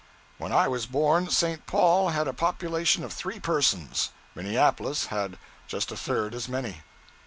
When I was born, St. Paul had a population of three persons, Minneapolis had just a third as many.